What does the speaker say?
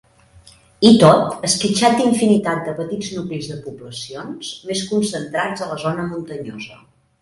I tot, esquitxat d'infinitat de petits nuclis de poblacions, més concentrats a la zona muntanyosa.